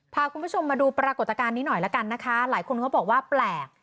พาคุณผู้ชมมาดูปรากฏการณ์นี้หน่อยละกันนะคะหลายคนเขาบอกว่าแปลก